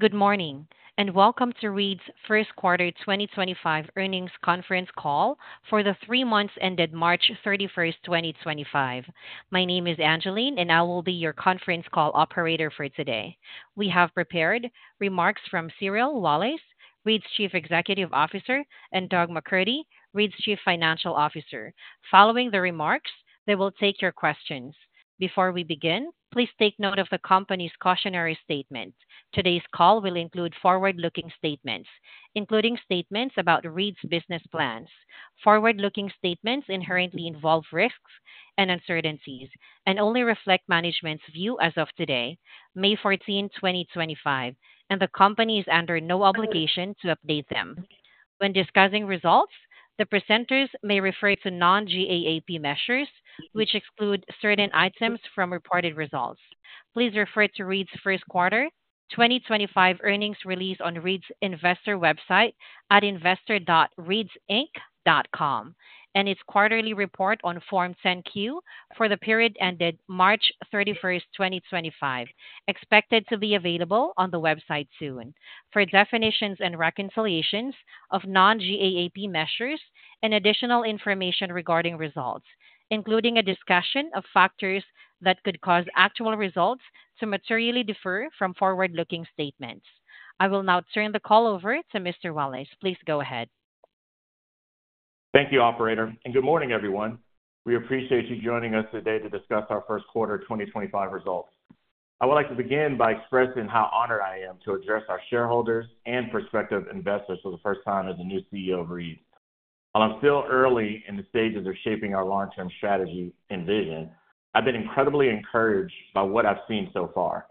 Good morning, and welcome to Reed's First Quarter 2025 earnings conference call for the three months ended March 31, 2025. My name is Angeline, and I will be your conference call operator for today. We have prepared remarks from Cyril Wallace, Reed's Chief Executive Officer, and Doug McCurdy, Reed's Chief Financial Officer. Following the remarks, they will take your questions. Before we begin, please take note of the company's cautionary statement. Today's call will include forward-looking statements, including statements about Reed's business plans. Forward-looking statements inherently involve risks and uncertainties and only reflect management's view as of today, May 14, 2025, and the company is under no obligation to update them. When discussing results, the presenters may refer to non-GAAP measures, which exclude certain items from reported results. Please refer to Reed's Q1 2025 earnings release on Reed's investor website at investor.reeds.inc.com and its quarterly report on Form 10-Q for the period ended March 31, 2025, expected to be available on the website soon. For definitions and reconciliations of non-GAAP measures and additional information regarding results, including a discussion of factors that could cause actual results to materially differ from forward-looking statements. I will now turn the call over to Mr. Wallace. Please go ahead. Thank you, Operator, and good morning, everyone. We appreciate you joining us today to discuss our Q1 2025 results. I would like to begin by expressing how honored I am to address our shareholders and prospective investors for the first time as the new CEO of Reed's. While I'm still early in the stages of shaping our long-term strategy and vision, I've been incredibly encouraged by what I've seen so far.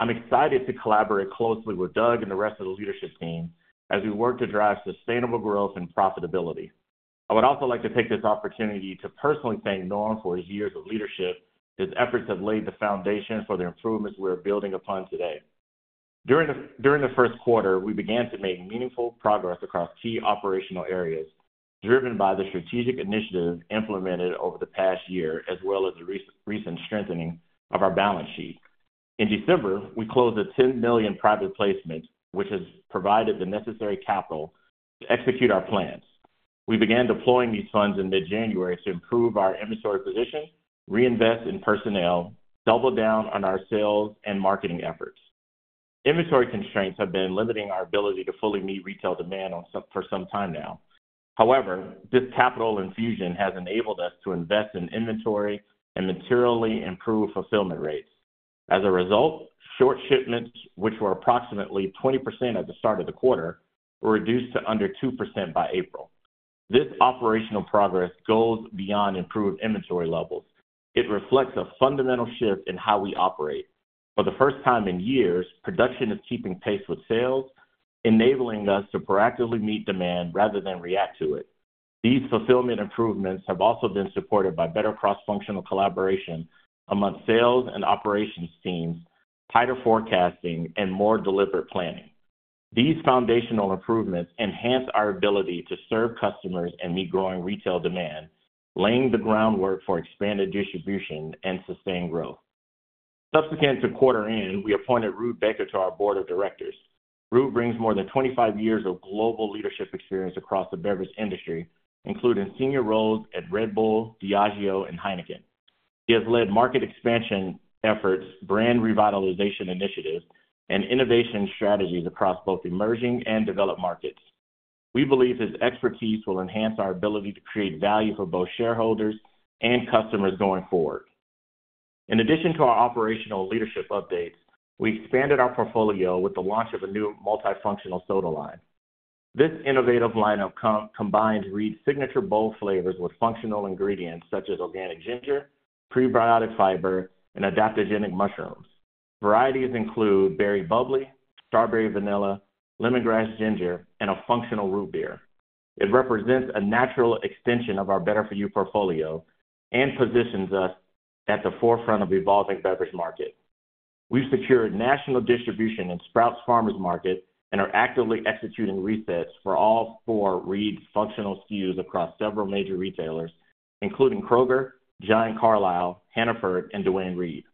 I'm excited to collaborate closely with Doug and the rest of the leadership team as we work to drive sustainable growth and profitability. I would also like to take this opportunity to personally thank Norm for his years of leadership. His efforts have laid the foundation for the improvements we are building upon today. During the first quarter, we began to make meaningful progress across key operational areas, driven by the strategic initiatives implemented over the past year, as well as the recent strengthening of our balance sheet. In December, we closed a $10 million private placement, which has provided the necessary capital to execute our plans. We began deploying these funds in mid-January to improve our inventory position, reinvest in personnel, and double down on our sales and marketing efforts. Inventory constraints have been limiting our ability to fully meet retail demand for some time now. However, this capital infusion has enabled us to invest in inventory and materially improve fulfillment rates. As a result, short shipments, which were approximately 20% at the start of the quarter, were reduced to under 2% by April. This operational progress goes beyond improved inventory levels. It reflects a fundamental shift in how we operate. For the first time in years, production is keeping pace with sales, enabling us to proactively meet demand rather than react to it. These fulfillment improvements have also been supported by better cross-functional collaboration among sales and operations teams, tighter forecasting, and more deliberate planning. These foundational improvements enhance our ability to serve customers and meet growing retail demand, laying the groundwork for expanded distribution and sustained growth. Subsequent to quarter-end, we appointed Ruud Bakker to our board of directors. Ruud brings more than 25 years of global leadership experience across the beverage industry, including senior roles at Red Bull, Diageo, and Heineken. She has led market expansion efforts, brand revitalization initiatives, and innovation strategies across both emerging and developed markets. We believe her expertise will enhance our ability to create value for both shareholders and customers going forward. In addition to our operational leadership updates, we expanded our portfolio with the launch of a new multifunctional soda line. This innovative lineup combines Reed's signature bold flavors with functional ingredients such as organic ginger, prebiotic fiber, and adaptogenic mushrooms. Varieties include Berry Bubbly, Strawberry Vanilla, Lemongrass Ginger, and a Functional Root Beer. It represents a natural extension of our Better For You portfolio and positions us at the forefront of the evolving beverage market. We've secured national distribution in Sprouts Farmers Market and are actively executing resets for all four Reed's functional SKUs across several major retailers, including Kroger, Giant Carlisle, Hannaford, and Duane Reade.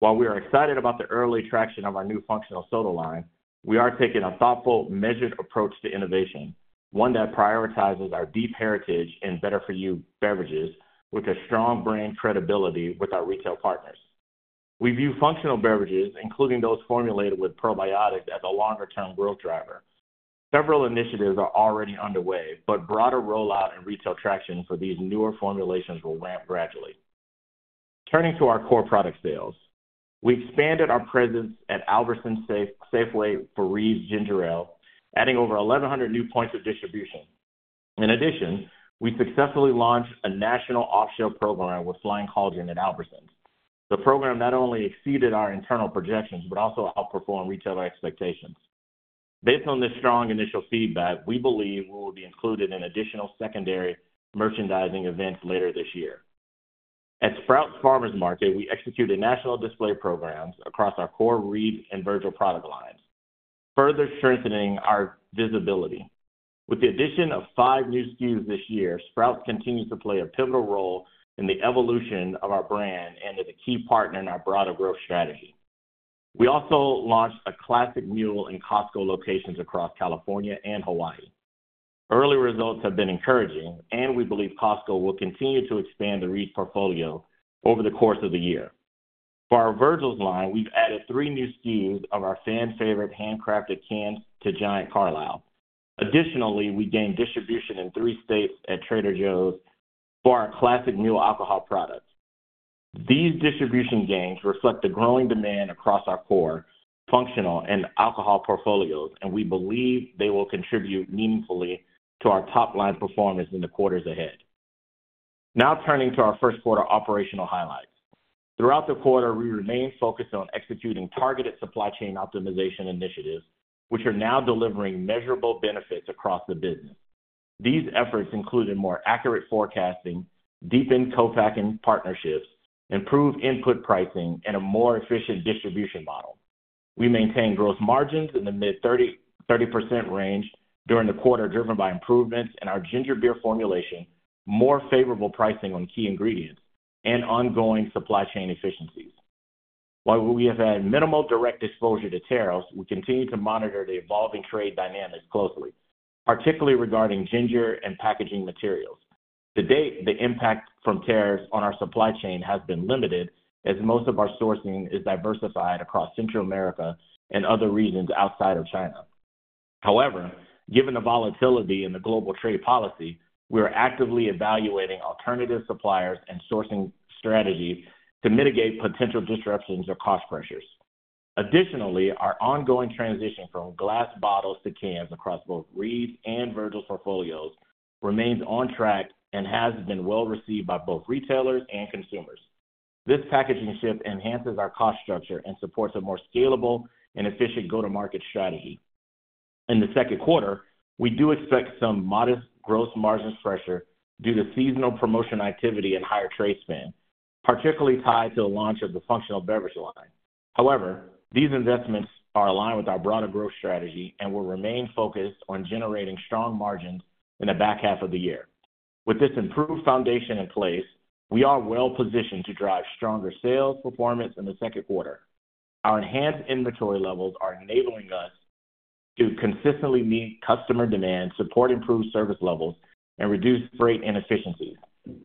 While we are excited about the early traction of our new functional soda line, we are taking a thoughtful, measured approach to innovation, one that prioritizes our deep heritage in Better For You beverages with a strong brand credibility with our retail partners. We view functional beverages, including those formulated with probiotics, as a longer-term growth driver. Several initiatives are already underway, but broader rollout and retail traction for these newer formulations will ramp gradually. Turning to our core product sales, we expanded our presence at Albertsons Safeway for Reed's Ginger Ale, adding over 1,100 new points of distribution. In addition, we successfully launched a national offshore program with Flying Collagen at Albertsons. The program not only exceeded our internal projections but also outperformed retailer expectations. Based on this strong initial feedback, we believe we will be included in additional secondary merchandising events later this year. At Sprouts Farmers Market, we execute a national display program across our core Reed's and Virgil's product lines, further strengthening our visibility. With the addition of five new SKUs this year, Sprouts continues to play a pivotal role in the evolution of our brand and is a key partner in our broader growth strategy. We also launched a classic mule in Costco locations across California and Hawaii. Early results have been encouraging, and we believe Costco will continue to expand the Reed's portfolio over the course of the year. For our Virgil's line, we've added three new SKUs of our fan-favorite handcrafted cans to Giant Carlisle. Additionally, we gained distribution in three states at Trader Joe's for our classic mule alcohol products. These distribution gains reflect the growing demand across our core functional and alcohol portfolios, and we believe they will contribute meaningfully to our top-line performance in the quarters ahead. Now turning to our first quarter operational highlights. Throughout the quarter, we remained focused on executing targeted supply chain optimization initiatives, which are now delivering measurable benefits across the business. These efforts included more accurate forecasting, deepened co-packing partnerships, improved input pricing, and a more efficient distribution model. We maintained gross margins in the mid-30% range during the quarter, driven by improvements in our ginger beer formulation, more favorable pricing on key ingredients, and ongoing supply chain efficiencies. While we have had minimal direct exposure to tariffs, we continue to monitor the evolving trade dynamics closely, particularly regarding ginger and packaging materials. To date, the impact from tariffs on our supply chain has been limited, as most of our sourcing is diversified across Central America and other regions outside of China. However, given the volatility in the global trade policy, we are actively evaluating alternative suppliers and sourcing strategies to mitigate potential disruptions or cost pressures. Additionally, our ongoing transition from glass bottles to cans across both Reed's and Virgil's portfolios remains on track and has been well received by both retailers and consumers. This packaging shift enhances our cost structure and supports a more scalable and efficient go-to-market strategy. In the second quarter, we do expect some modest gross margin pressure due to seasonal promotion activity and higher trade spend, particularly tied to the launch of the functional beverage line. However, these investments are aligned with our broader growth strategy and will remain focused on generating strong margins in the back half of the year. With this improved foundation in place, we are well positioned to drive stronger sales performance in the second quarter. Our enhanced inventory levels are enabling us to consistently meet customer demand, support improved service levels, and reduce freight inefficiencies.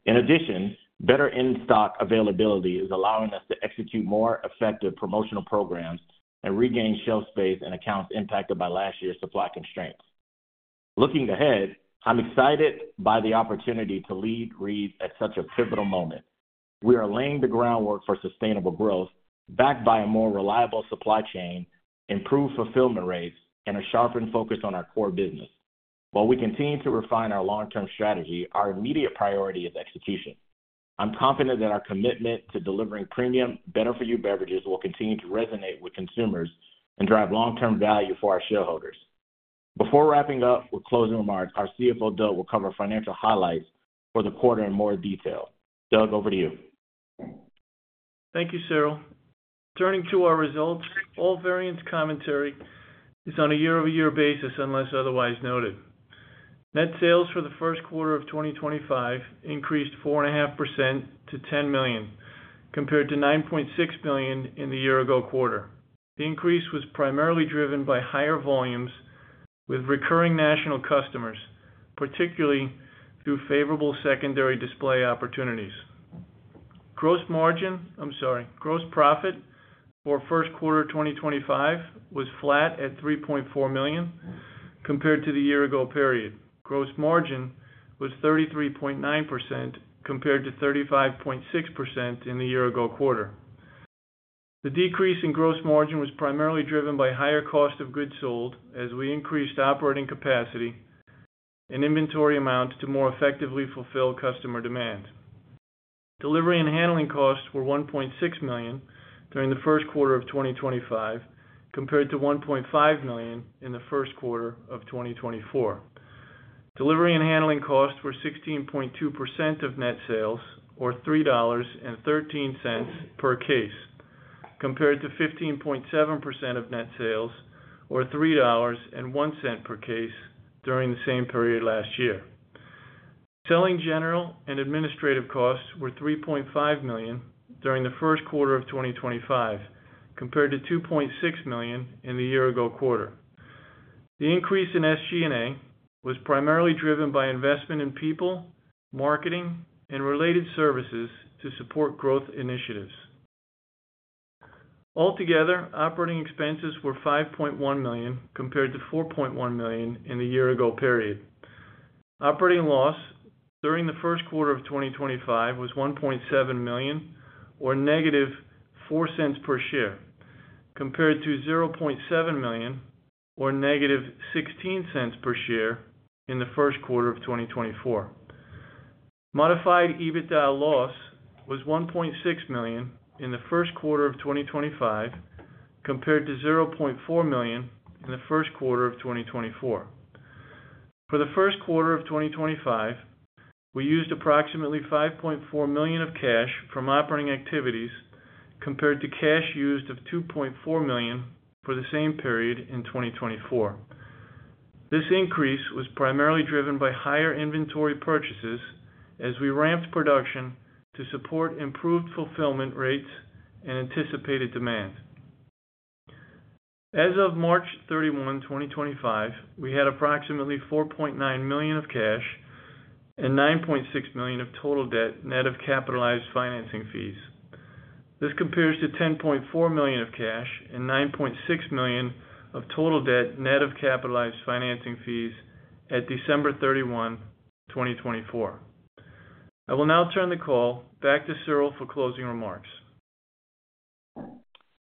In addition, better in-stock availability is allowing us to execute more effective promotional programs and regain shelf space in accounts impacted by last year's supply constraints. Looking ahead, I'm excited by the opportunity to lead Reed's at such a pivotal moment. We are laying the groundwork for sustainable growth, backed by a more reliable supply chain, improved fulfillment rates, and a sharpened focus on our core business. While we continue to refine our long-term strategy, our immediate priority is execution. I'm confident that our commitment to delivering premium, Better For You beverages will continue to resonate with consumers and drive long-term value for our shareholders. Before wrapping up with closing remarks, our CFO, Doug, will cover financial highlights for the quarter in more detail. Doug, over to you. Thank you, Cyril. Turning to our results, all variance commentary is on a year-over-year basis unless otherwise noted. Net sales for the first quarter of 2025 increased 4.5% to $10 million, compared to $9.6 million in the year-ago quarter. The increase was primarily driven by higher volumes with recurring national customers, particularly through favorable secondary display opportunities. Gross margin, I'm sorry, gross profit for first quarter 2025 was flat at $3.4 million compared to the year-ago period. Gross margin was 33.9% compared to 35.6% in the year-ago quarter. The decrease in gross margin was primarily driven by higher cost of goods sold as we increased operating capacity and inventory amounts to more effectively fulfill customer demand. Delivery and handling costs were $1.6 million during Q1 of 2025, compared to $1.5 million in first quarter of 2024. Delivery and handling costs were 16.2% of net sales, or $3.13 per case, compared to 15.7% of net sales, or $3.01 per case during the same period last year. Selling, general and administrative costs were $3.5 million during first quarter of 2025, compared to $2.6 million in the year-ago quarter. The increase in SG&A was primarily driven by investment in people, marketing, and related services to support growth initiatives. Altogether, operating expenses were $5.1 million compared to $4.1 million in the year-ago period. Operating loss during the first quarter of 2025 was $1.7 million, or -$0.04 per share, compared to $0.7 million, or -$0.16 per share in the first quarter of 2024. Modified EBITDA loss was $1.6 million in the first quarter of 2025, compared to $0.4 million in the first quarter of 2024. For the first quarter of 2025, we used approximately $5.4 million of cash from operating activities, compared to cash used of $2.4 million for the same period in 2024. This increase was primarily driven by higher inventory purchases as we ramped production to support improved fulfillment rates and anticipated demand. As of March 31, 2025, we had approximately $4.9 million of cash and $9.6 million of total debt net of capitalized financing fees. This compares to $10.4 million of cash and $9.6 million of total debt net of capitalized financing fees at December 31, 2024. I will now turn the call back to Cyril for closing remarks.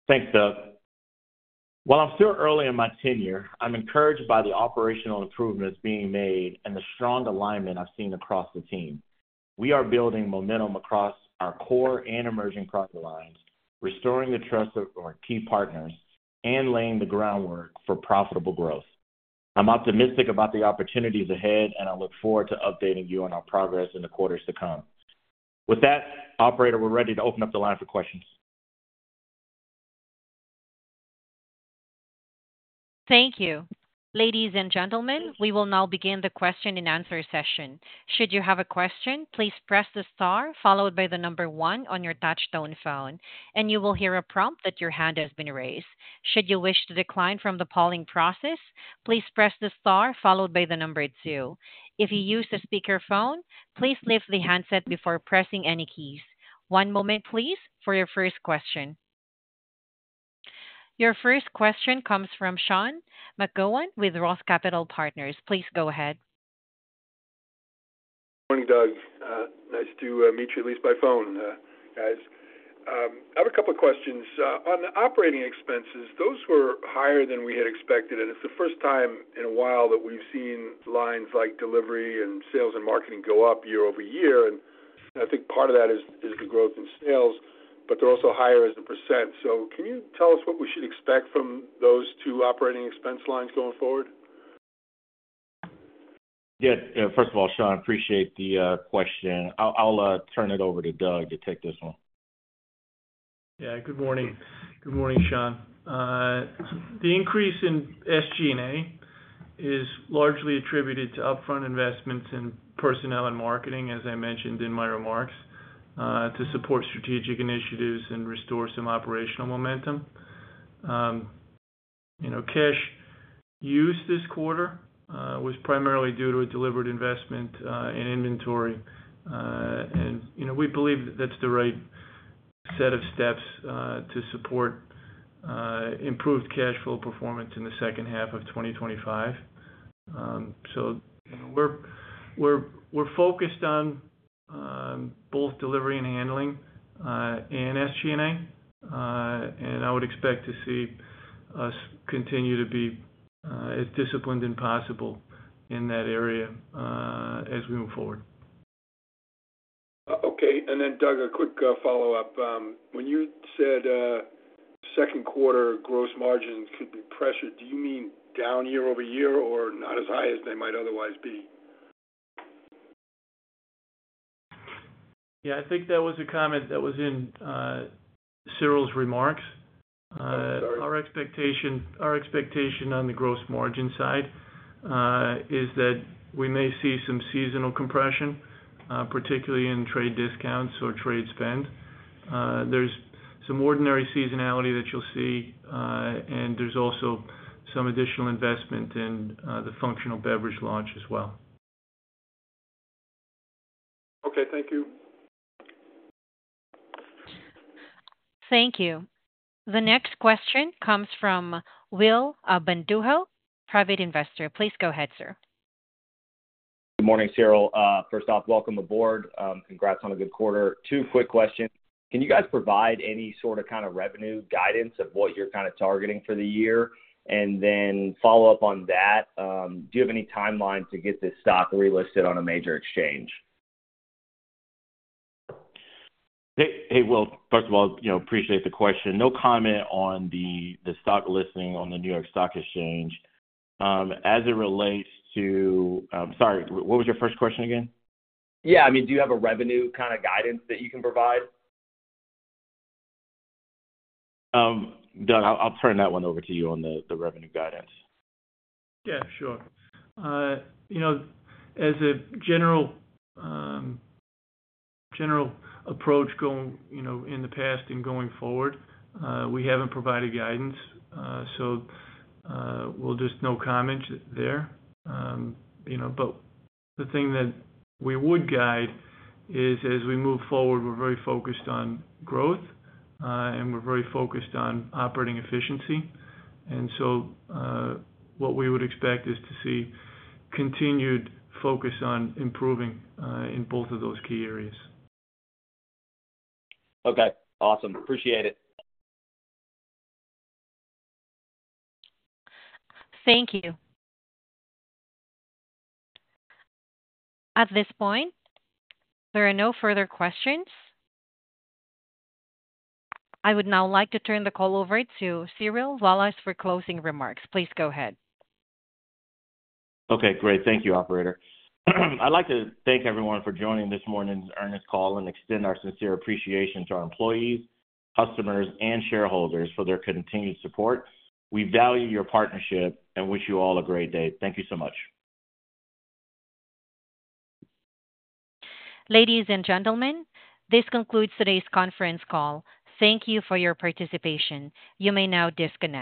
Thanks, Doug. While I'm still early in my tenure, I'm encouraged by the operational improvements being made and the strong alignment I've seen across the team. We are building momentum across our core and emerging product lines, restoring the trust of our key partners and laying the groundwork for profitable growth. I'm optimistic about the opportunities ahead, and I look forward to updating you on our progress in the quarters to come. With that, Operator, we're ready to open up the line for questions. Thank you. Ladies and gentlemen, we will now begin the question-and-answer session. Should you have a question, please press the star followed by the number one on your touch-tone phone, and you will hear a prompt that your hand has been raised. Should you wish to decline from the polling process, please press the star followed by the number two. If you use a speakerphone, please lift the handset before pressing any keys. One moment, please, for your first question. Your first question comes from Sean McGowan with ROTH Capital Partners. Please go ahead. Morning, Doug. Nice to meet you at least by phone, guys. I have a couple of questions. On the operating expenses, those were higher than we had expected, and it's the first time in a while that we've seen lines like delivery and sales and marketing go up year over year. I think part of that is the growth in sales, but they're also higher as a percent. Can you tell us what we should expect from those two operating expense lines going forward? Yeah. First of all, Sean, I appreciate the question. I'll turn it over to Doug to take this one. Yeah. Good morning. Good morning, Sean. The increase in SG&A is largely attributed to upfront investments in personnel and marketing, as I mentioned in my remarks, to support strategic initiatives and restore some operational momentum. Cash use this quarter was primarily due to a deliberate investment in inventory, and we believe that that's the right set of steps to support improved cash flow performance in the second half of 2025. We are focused on both delivery and handling in SG&A, and I would expect to see us continue to be as disciplined as possible in that area as we move forward. Okay. And then, Doug, a quick follow-up. When you said second quarter gross margins could be pressured, do you mean down year-over-year or not as high as they might otherwise be? Yeah. I think that was a comment that was in Cyril's remarks. I'm sorry. Our expectation on the gross margin side is that we may see some seasonal compression, particularly in trade discounts or trade spend. There is some ordinary seasonality that you'll see, and there is also some additional investment in the functional beverage launch as well. Okay. Thank you. Thank you. The next question comes from Will Abandujo, private investor. Please go ahead, sir. Good morning, Cyril. First off, welcome aboard. Congrats on a good quarter. Two quick questions. Can you guys provide any sort of kind of revenue guidance of what you're kind of targeting for the year? Then follow up on that, do you have any timeline to get this stock relisted on a major exchange? Hey, Will. First of all, appreciate the question. No comment on the stock listing on the New York Stock Exchange as it relates to—sorry, what was your first question again? Yeah. I mean, do you have a revenue kind of guidance that you can provide? Doug, I'll turn that one over to you on the revenue guidance. Yeah. Sure. As a general approach in the past and going forward, we haven't provided guidance, so we'll just no comment there. The thing that we would guide is, as we move forward, we're very focused on growth, and we're very focused on operating efficiency. What we would expect is to see continued focus on improving in both of those key areas. Okay. Awesome. Appreciate it. Thank you. At this point, there are no further questions. I would now like to turn the call over to Cyril Wallace for closing remarks. Please go ahead. Okay. Great. Thank you, Operator. I'd like to thank everyone for joining this morning's earnings call and extend our sincere appreciation to our employees, customers, and shareholders for their continued support. We value your partnership and wish you all a great day. Thank you so much. Ladies and gentlemen, this concludes today's conference call. Thank you for your participation. You may now disconnect.